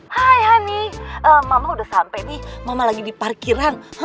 hai honey mama udah sampe nih mama lagi di parkiran